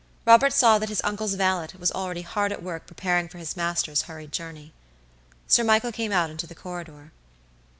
Robert saw that his uncle's valet was already hard at work preparing for his master's hurried journey. Sir Michael came out into the corridor.